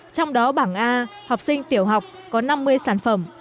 trong đó bảng a học sinh tiểu học có năm mươi sản phẩm